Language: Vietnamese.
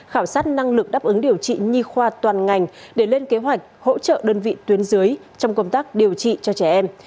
khảo sát năng lực đáp ứng điều trị nhi khoa toàn ngành để lên kế hoạch hỗ trợ đơn vị tuyến dưới trong công tác điều trị cho trẻ em